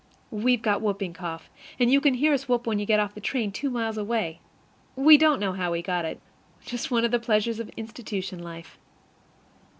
We've got whooping cough, and you can hear us whoop when you get off the train two miles away. We don't know how we got it just one of the pleasures of institution life.